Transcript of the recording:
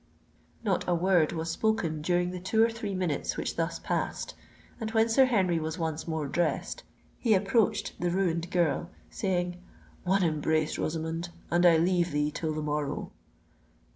Not a word was spoken during the two or three minutes which thus passed; and when Sir Henry was once more dressed, he approached the ruined girl, saying, "One embrace, Rosamond, and I leave thee till the morrow."